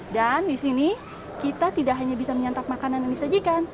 dan disini kita tidak hanya bisa menyantap makanan yang disajikan